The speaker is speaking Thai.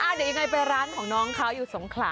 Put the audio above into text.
เดี๋ยวยังไงไปร้านของน้องเขาอยู่สงขลา